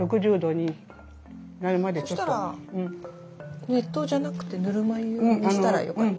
そしたら熱湯じゃなくてぬるま湯にしたらよかった。